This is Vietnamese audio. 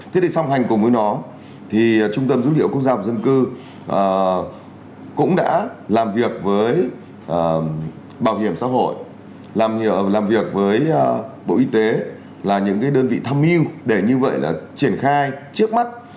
thế thì song hành cùng với nó thì trung tâm dữ liệu quốc gia và dân cư cũng đã làm việc với bảo hiểm xã hội làm việc với bộ y tế là những đơn vị tham mưu để như vậy là triển khai trước mắt